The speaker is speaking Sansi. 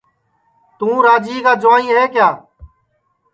تُوں راجِئے کا جُوائیں ہے کِیا